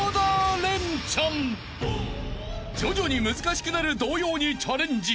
［徐々に難しくなる童謡にチャレンジ］